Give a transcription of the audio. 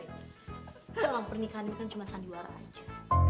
dalam pernikahan itu kan cuma sandiwara aja